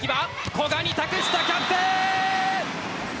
古賀に託した、キャプテン！